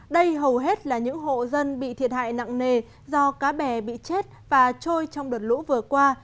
đây hầu hết là những hộ dân bị thiệt hại nặng nề do cá bè bị chết và trôi trong đợt lũ vừa qua